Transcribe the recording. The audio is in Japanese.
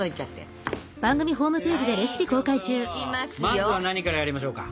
まずは何からやりましょうか？